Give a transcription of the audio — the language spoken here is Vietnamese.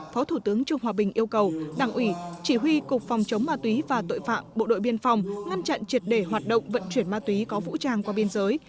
phó thủ tướng trung hòa bình yêu cầu đảng ủy chỉ huy cục phòng chống ma túy và tội phạm bộ đội biên phòng ngăn chặn triệt để hoạt động vận chuyển ma túy có vũ trang qua biên giới